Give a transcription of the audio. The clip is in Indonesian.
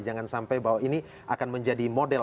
jangan sampai bahwa ini akan menjadi model